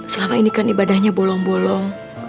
selama ini kan ibadahnya bolong bolong